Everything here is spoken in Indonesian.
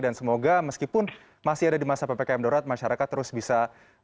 dan semoga meskipun masih ada di masa ppkm dorot masyarakat terus bisa